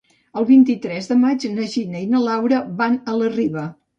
El vint-i-tres de maig na Gina i na Laura van a la Riba.